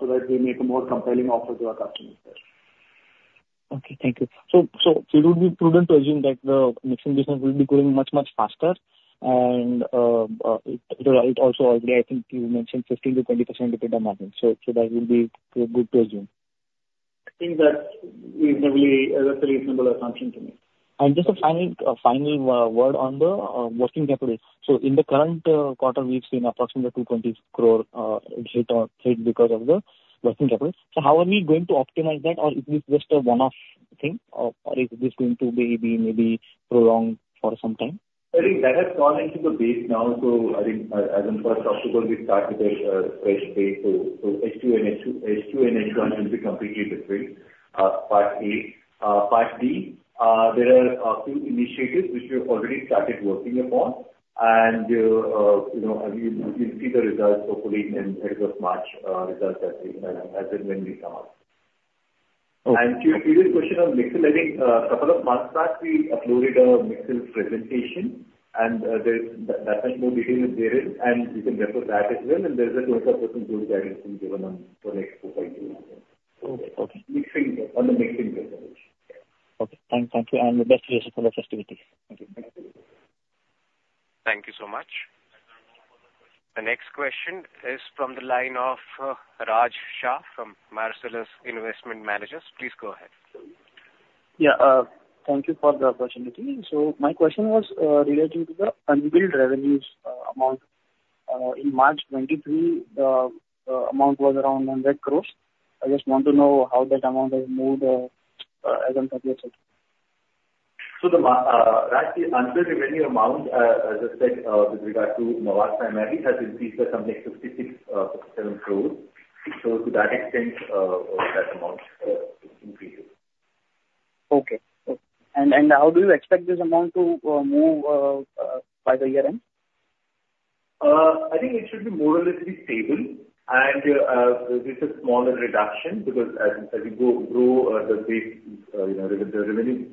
so that we make a more compelling offer to our customers. Okay, thank you. So it would be prudent to assume that the mixing business will be growing much, much faster, and it also already, I think you mentioned 15%-20% EBITDA margin. So that would be good to assume. I think that's a reasonable assumption to make. Just a final, final, word on the working capital. In the current quarter, we've seen approximately 220 crore hit because of the working capital. So how are we going to optimize that? Or it is just a one-off, you think, or is this going to be maybe prolonged for some time? I think that has gone into the base now, so I think, as in first quarter, we started this, Q1, so H2 and H1 will be completely different. Part A. Part B, there are few initiatives which we have already started working upon, and, you know, and you, you'll see the results hopefully in end of March, results as in, as in when we come out. Okay. To your previous question on mixing, I think a couple of months back we uploaded a mixing presentation, and there's that much more detail is there in, and you can refer to that as well, and there's a that is being given on the next 4-5 years. Oh, okay. Mixing, on the mixing presentation. Okay. Thank you, and best wishes for the festivities. Thank you. Thank you so much. The next question is from the line of Raj Shah from Marcellus Investment Managers. Please go ahead. Yeah, thank you for the opportunity. So my question was, relating to the unbilled revenues, amount. In March 2023, the amount was around 100 crore. I just want to know how that amount has moved, as on previous year. Raj, the unbilled revenue amount, as I said, with regard to Normag primarily, has increased to something 66 crore-67 crore. So to that extent, that amount increased. Okay. Okay. And how do you expect this amount to move by the year end? I think it should be more or less stable, and with a smaller reduction, because as you go through the base, you know, the revenue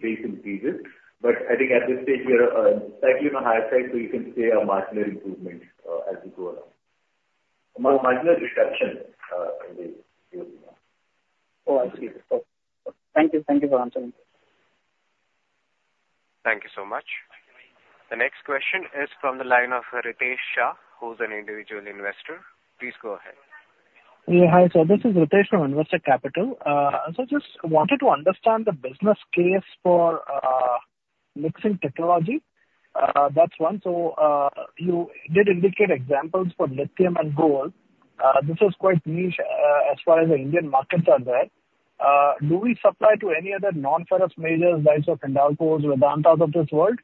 base increases. But I think at this stage, we are slightly on the higher side, so you can say a marginal improvement as we go along. Marginal reduction in the year. Oh, I see. Okay. Thank you. Thank you for answering. Thank you so much. The next question is from the line of Ritesh Shah, who's an individual investor. Please go ahead. Yeah, hi, sir, this is Ritesh from Investec Capital. So just wanted to understand the business case for mixing technology. That's one. So you did indicate examples for lithium and gold. This is quite niche, as far as the Indian markets are there. Do we supply to any other non-ferrous majors like the Hindalcos or Vedantas of this world?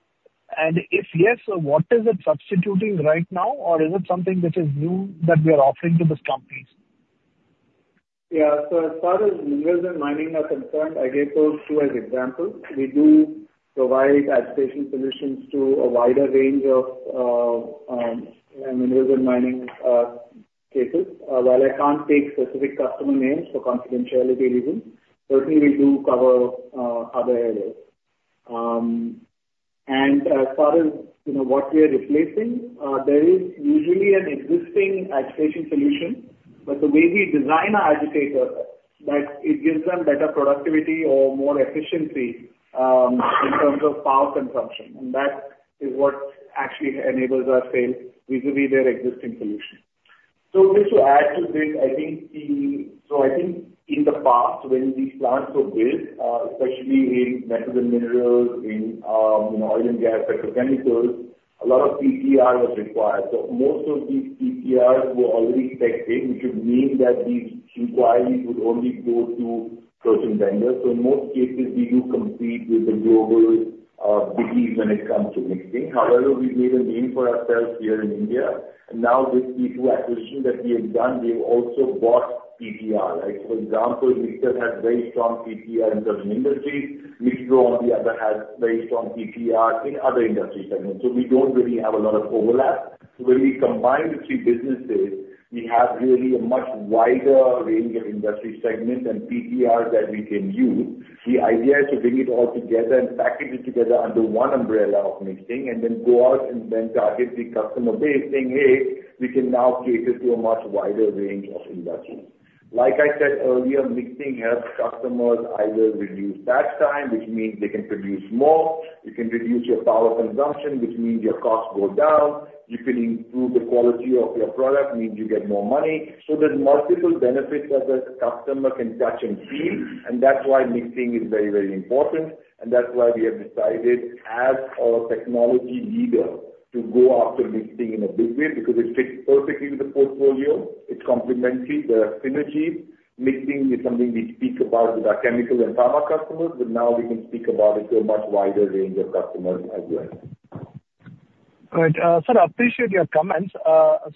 And if yes, what is it substituting right now, or is it something which is new that we are offering to these companies? Yeah. So as far as minerals and mining are concerned, I gave those two as examples. We do provide agitation solutions to a wider range of mineral mining cases. While I can't take specific customer names for confidentiality reasons, certainly we do cover other areas. And as far as, you know, what we are replacing, there is usually an existing agitation solution. But the way we design our agitator, that it gives them better productivity or more efficiency in terms of power consumption, and that is what actually enables our sales vis-a-vis their existing solution. So just to add to this, I think so I think in the past, when these plants were built, especially in metals and minerals, in, you know, oil and gas, petrochemicals, a lot of PTR was required. Most of these PTRs were already specified, which would mean that these inquiries would only go to certain vendors. In most cases, we do compete with the global entities when it comes to mixing. However, we've made a name for ourselves here in India, and now with these two acquisitions that we have done, we've also bought PTR. Like, for example, Mixel has very strong PTR in certain industries. MixPro, on the other, has very strong PTR in other industry segments. So we don't really have a lot of overlap. When we combine the two businesses, we have really a much wider range of industry segments and PTR that we can use. The idea is to bring it all together and package it together under one umbrella of mixing, and then go out and then target the customer base, saying, "Hey, we can now cater to a much wider range of industries." Like I said earlier, mixing helps customers either reduce batch time, which means they can produce more. You can reduce your power consumption, which means your costs go down. You can improve the quality of your product, means you get more money. So there's multiple benefits that the customer can touch and feel, and that's why mixing is very, very important, and that's why we have decided, as a technology leader, to go after mixing in a big way, because it fits perfectly with the portfolio. It's complementary. There are synergies. Mixing is something we speak about with our chemical and pharma customers, but now we can speak about it to a much wider range of customers as well. Great. Sir, I appreciate your comments.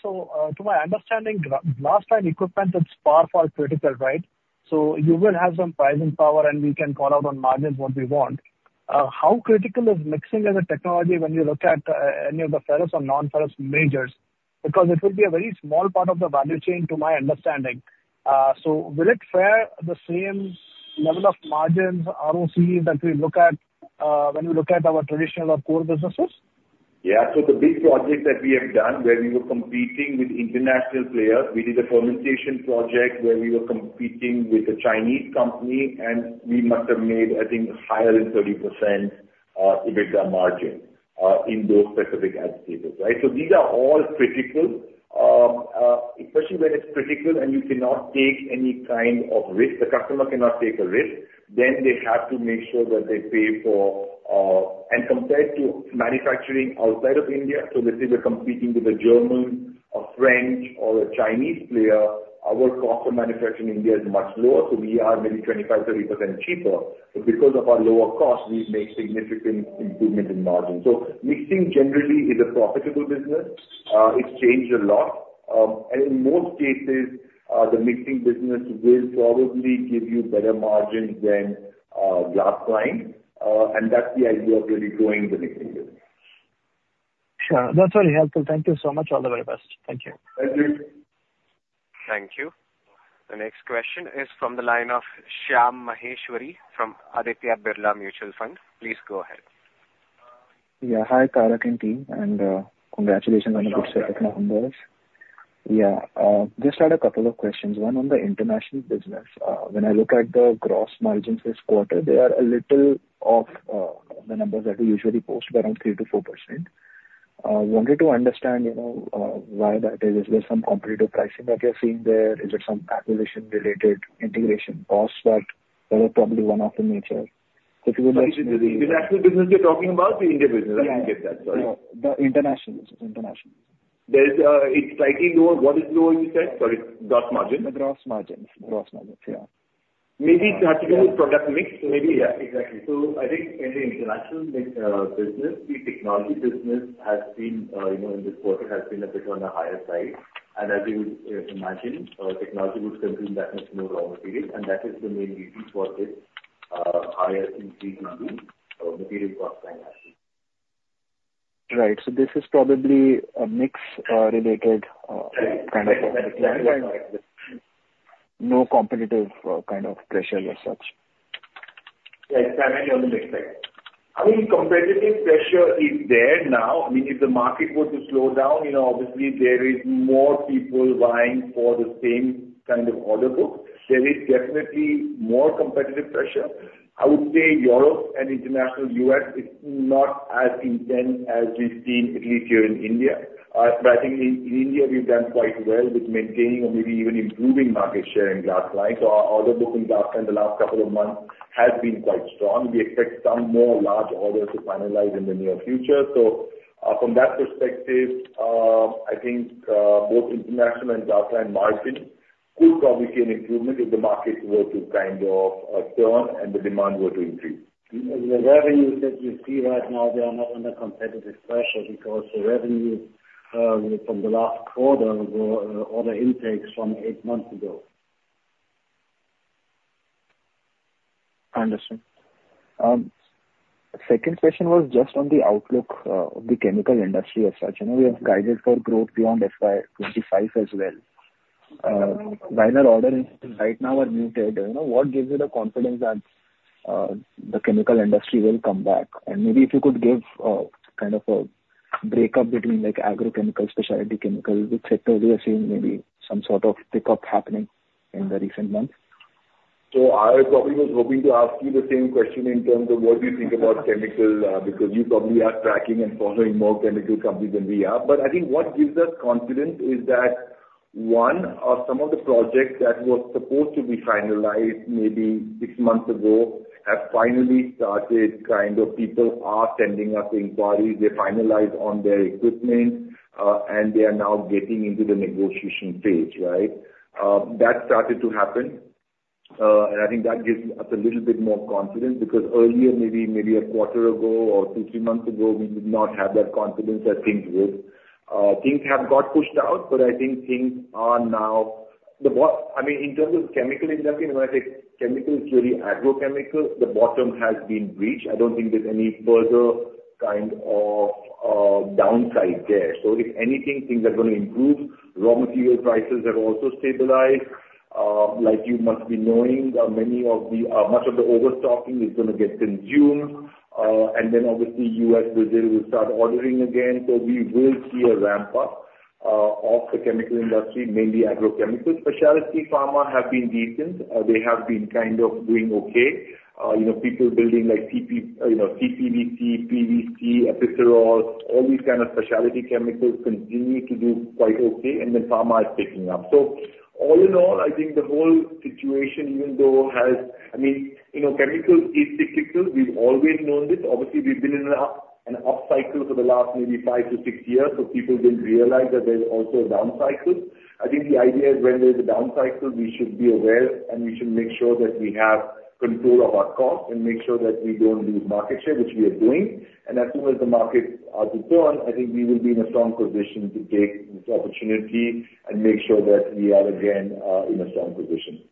So, to my understanding, glass-lined equipment was far, far critical, right? So you will have some pricing power, and we can call out on margins what we want. How critical is mixing as a technology when you look at any of the ferrous or non-ferrous majors? Because it will be a very small part of the value chain, to my understanding. So will it fare the same level of margins, ROC, that we look at when we look at our traditional or core businesses? Yeah. So the big project that we have done, where we were competing with international players, we did a fermentation project where we were competing with a Chinese company, and we must have made, I think, higher than 30% EBITDA margin in those specific agitators, right? So these are all critical, especially when it's critical and you cannot take any kind of risk, the customer cannot take a risk, then they have to make sure that they pay for, and compared to manufacturing outside of India, so let's say we're competing with a German, a French or a Chinese player, our cost of manufacture in India is much lower, so we are maybe 25%-30% cheaper. But because of our lower cost, we make significant improvement in margins. So mixing generally is a profitable business. It's changed a lot, and in most cases, the mixing business will probably give you better margins than glass-lined, and that's the idea of really growing the mixing business. Sure. That's very helpful. Thank you so much. All the very best. Thank you. Thank you. Thank you. The next question is from the line of Shyam Maheshwari from Aditya Birla Mutual Fund. Please go ahead. Yeah. Hi, Tarak and team, and, congratulations on the good set of numbers. Yeah, just had a couple of questions. One on the international business. When I look at the gross margins this quarter, they are a little off, the numbers that we usually post around 3%-4%. Wanted to understand, you know, why that is. Is there some competitive pricing that you're seeing there? Is it some acquisition-related integration cost that, or probably one-off in nature? If you would like to- The international business you're talking about? The India business. I didn't get that. Sorry. The international business. International. There is, it's slightly lower. What is lower, you said, sorry? Gross margin? The gross margin. Gross margin, yeah. Maybe product mix, maybe. Yeah, exactly. So I think in the international mix, business, the technology business has been, you know, in this quarter has been a bit on the higher side. And as you would, imagine, technology would consume that much more raw material, and that is the main reason for this, higher in Q2 material cost internationally. Right. So this is probably a mix, related, kind of- Right. No competitive, kind of pressure as such? Yeah, primarily on the mix side. I mean, competitive pressure is there now. I mean, if the market were to slow down, you know, obviously there is more people vying for the same kind of order book. There is definitely more competitive pressure. I would say Europe and international U.S. is not as intense as we've seen at least here in India. But I think in India, we've done quite well with maintaining or maybe even improving market share in glass-lined. So our order book in the last couple of months has been quite strong. We expect some more large orders to finalize in the near future. So, from that perspective, I think both international and India and margin could probably see an improvement if the market were to kind of turn and the demand were to increase. The revenues that you see right now, they are not under competitive pressure because the revenues from the last quarter were order intakes from eight months ago. I understand. Second question was just on the outlook of the chemical industry as such. You know, we have guided for growth beyond FY 2025 as well. While our order right now are muted, you know, what gives you the confidence that the chemical industry will come back? And maybe if you could give kind of a breakup between like agrochemicals, specialty chemicals, which sector we are seeing maybe some sort of pickup happening in the recent months. So I probably was hoping to ask you the same question in terms of what you think about chemicals, because you probably are tracking and following more chemical companies than we are. But I think what gives us confidence is that, one, some of the projects that were supposed to be finalized maybe six months ago have finally started. Kind of people are sending us inquiries, they finalize on their equipment, and they are now getting into the negotiation stage, right? That started to happen, and I think that gives us a little bit more confidence, because earlier, maybe, maybe a quarter ago or two, three months ago, we did not have that confidence that things would. Things have got pushed out, but I think things are now. I mean, in terms of chemical industry, when I say chemicals, really agrochemicals, the bottom has been reached. I don't think there's any further kind of downside there. So if anything, things are going to improve. Raw material prices have also stabilized. Like you must be knowing, that many of the, much of the overstocking is gonna get consumed, and then obviously, U.S. business will start ordering again. So we will see a ramp-up of the chemical industry, mainly agrochemicals. Specialty pharma have been decent. They have been kind of doing okay. You know, people building like CP, you know, CPVC, PVC, epichlorohydrin, all these kind of specialty chemicals continue to do quite okay, and then pharma is picking up. So all in all, I think the whole situation, even though has, I mean, you know, chemicals is cyclical. We've always known this. Obviously, we've been in an up, an up cycle for the last maybe five to six years, so people didn't realize that there's also a down cycle. I think the idea is when there's a down cycle, we should be aware, and we should make sure that we have control of our costs and make sure that we don't lose market share, which we are doing. And as soon as the markets are to turn, I think we will be in a strong position to take this opportunity and make sure that we are again, in a strong position.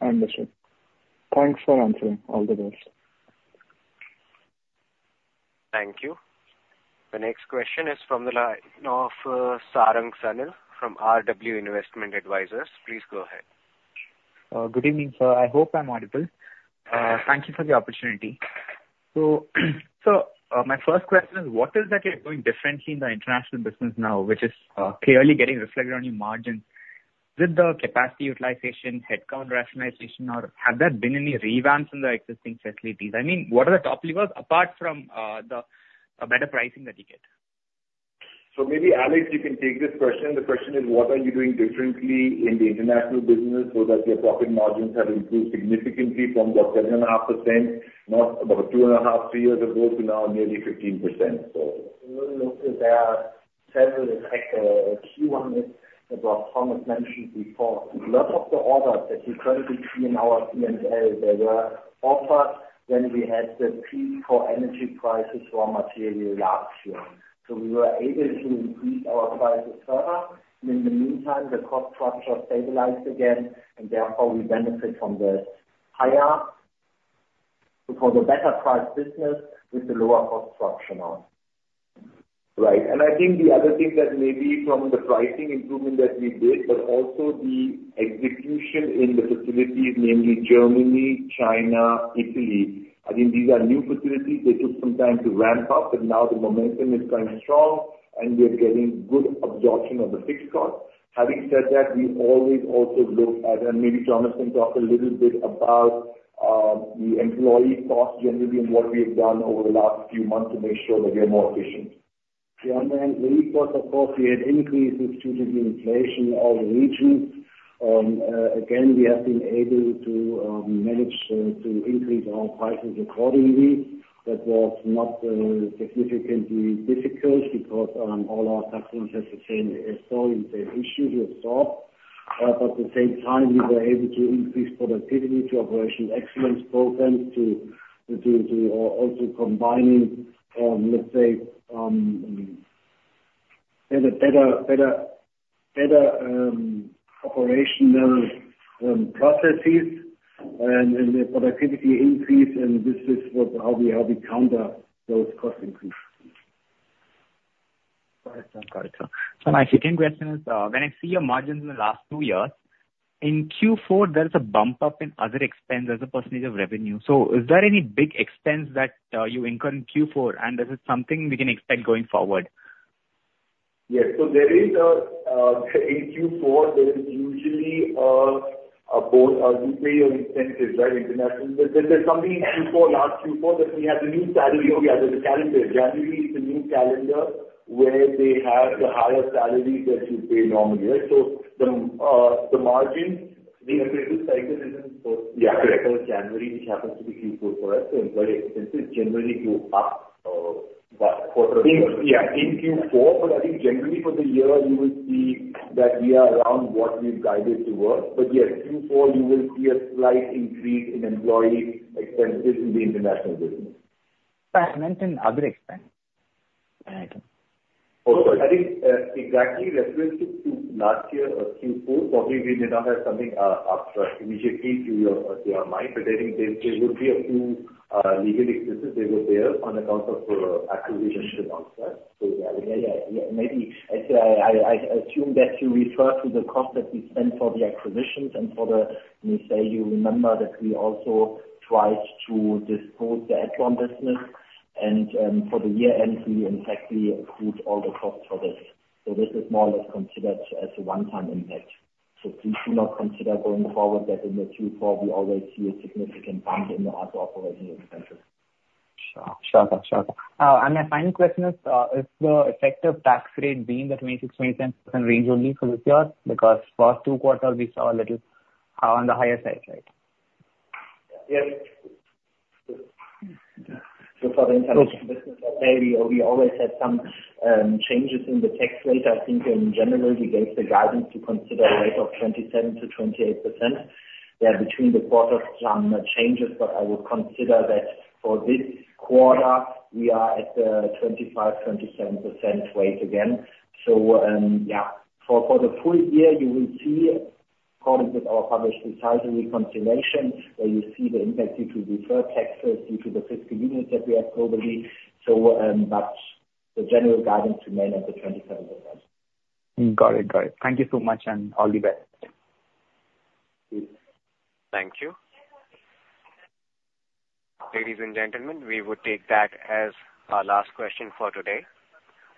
Understood. Thanks for answering. All the best. Thank you. The next question is from the line of Sarang Sanil from RW Investment Advisors. Please go ahead. Good evening, sir. I hope I'm audible. Thank you for the opportunity. My first question is: What is that you're doing differently in the international business now, which is clearly getting reflected on your margins? With the capacity utilization, headcount rationalization, or have there been any revamps in the existing facilities? I mean, what are the top levers apart from a better pricing that you get? So maybe, Alex, you can take this question. The question is: What are you doing differently in the international business so that your profit margins have improved significantly from, what, 7.5%, not about 2.5, 3 years ago, to now nearly 15%? So. There are several, in fact, key one is that Thomas mentioned before, a lot of the orders that you currently see in our P&L, they were offered when we had the peak for energy prices for material last year. So we were able to increase our prices further, and in the meantime, the cost structure stabilized again, and therefore we benefit from the higher, for the better price business with the lower cost structure now. Right. And I think the other thing that maybe from the pricing improvement that we did, but also the execution in the facilities, namely Germany, China, Italy, I think these are new facilities. They took some time to ramp up, but now the momentum is going strong, and we are getting good absorption of the fixed cost. Having said that, we always also look at, and maybe Thomas can talk a little bit about, the employee cost generally and what we have done over the last few months to make sure that we are more efficient. Yeah, and the cost, of course, we had increases due to the inflation of the region. Again, we have been able to manage to increase our prices accordingly. That was not significantly difficult because all our customers have the same story, same issue to absorb. But at the same time, we were able to increase productivity to operation excellence programs, also combining, let's say, better operational processes and the productivity increase, and this is what how we counter those cost increases. Got it. Got it, sir. So my second question is, when I see your margins in the last two years, in Q4, there is a bump up in other expense as a percentage of revenue. So is there any big expense that you incur in Q4, and this is something we can expect going forward? Yes. So there is a, in Q4, there is usually annual incentives, right, international. But there, there's something in Q4, last Q4, that we had the new calendar. Oh, yeah, the calendar. January is the new calendar where they have the higher salaries that you pay normally, right? So the, the margins- The cycle is in- Yeah. January, which happens to be Q4 for us, so employee expenses generally go up. Yeah, in Q4, but I think generally for the year, you will see that we are around what we've guided towards. But yes, Q4, you will see a slight increase in employee expenses in the international business. I meant in other expense. Oh, I think, exactly references to last year, Q4, probably we did not have something, upfront, immediately to your, to your mind, but I think there, there would be a few, legal expenses that were there on account of your acquisition last time. Yeah, yeah, yeah. Maybe I assume that you refer to the cost that we spent for the acquisitions and for the, we say you remember that we also tried to dispose the Edlon business, and, for the year end, in fact we approved all the costs for this. So this is more or less considered as a one-time impact. So please do not consider going forward, that in the Q4, we already see a significant bump in the other operating expenses. Sure. Sure, sure. And my final question is, is the effective tax rate being the 26%-27% range only for this year? Because first two quarters, we saw a little on the higher side, right? Yes. So for the international business, we always have some changes in the tax rate. I think in general, we gave the guidance to consider a rate of 27%-28%. Yeah, between the quarters, some changes, but I would consider that for this quarter, we are at the 25%-27% rate again. So, yeah, for the full year, you will see according to our published Ind-AS reconciliation, where you see the impact due to deferred taxes, due to the fiscal units that we have globally. So, but the general guidance remain at the 27%. Got it. Got it. Thank you so much, and all the best. Please. Thank you. Ladies and gentlemen, we would take that as our last question for today.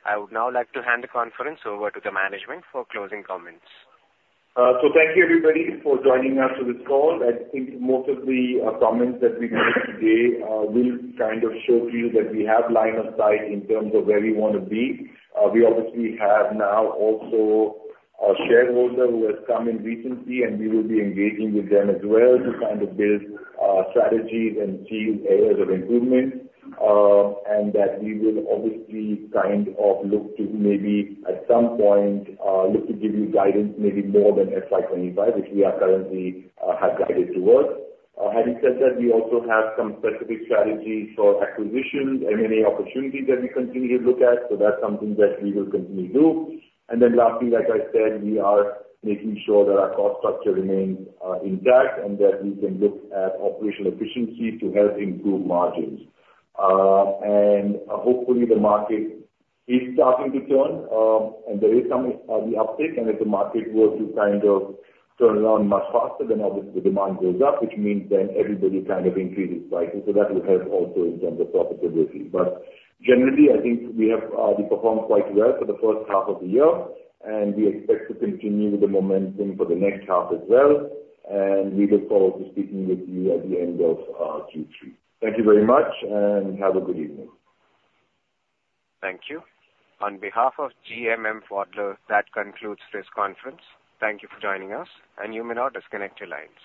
I would now like to hand the conference over to the management for closing comments. So thank you everybody for joining us on this call. I think most of the comments that we made today will kind of show to you that we have line of sight in terms of where we want to be. We obviously have now also a shareholder who has come in recently, and we will be engaging with them as well to kind of build strategies and see areas of improvement, and that we will obviously kind of look to maybe at some point look to give you guidance, maybe more than FY 2025, which we are currently have guided towards. Having said that, we also have some specific strategies for acquisitions and any opportunity that we continue to look at, so that's something that we will continue to do. And then lastly, like I said, we are making sure that our cost structure remains intact and that we can look at operational efficiency to help improve margins. And hopefully the market is starting to turn, and there is some on the uptick, and if the market were to kind of turn around much faster, then obviously the demand goes up, which means then everybody kind of increases prices, so that will help also in terms of profitability. But generally, I think we have we performed quite well for the first half of the year, and we expect to continue with the momentum for the next half as well, and we look forward to speaking with you at the end of Q3. Thank you very much, and have a good evening. Thank you. On behalf of GMM Pfaudler, that concludes this conference. Thank you for joining us, and you may now disconnect your lines.